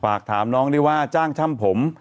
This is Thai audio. ฝากถามน้องได้ว่าจ้างช่ำผม